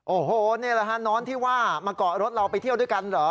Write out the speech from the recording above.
โอ้โหนี่แหละฮะน้อนที่ว่ามาเกาะรถเราไปเที่ยวด้วยกันเหรอ